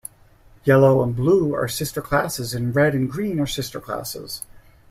Yellow and Blue are Sister Classes and Red and Green are Sister Classes.